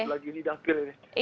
lagi ini dah hampir